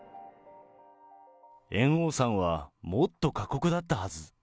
猿翁さんはもっと過酷だったはず。